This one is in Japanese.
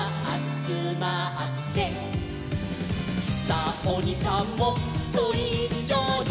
「さあおにさんもごいっしょに」